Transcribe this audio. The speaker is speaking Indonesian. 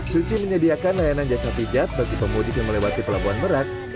suci menyediakan layanan jasa pijat bagi pemudik yang melewati pelabuhan merak